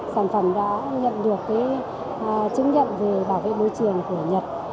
sản phẩm đã nhận được chứng nhận về bảo vệ môi trường của nhật